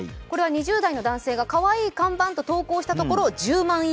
これは２０代の男性がかわいい看板と投稿したところ１０万